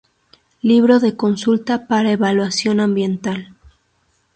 Libro de Consulta para Evaluación Ambiental.